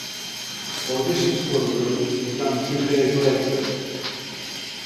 Auditions for the group began two days later.